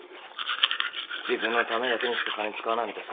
自分のためだけにしか金使わないなんて最低だよ。